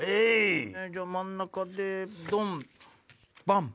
じゃあ真ん中でドンバン！